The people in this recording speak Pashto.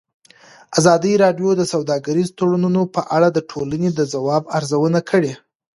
ازادي راډیو د سوداګریز تړونونه په اړه د ټولنې د ځواب ارزونه کړې.